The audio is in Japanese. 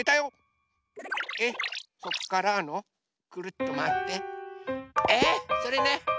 えっそっからのくるっとまわってえ⁉それね。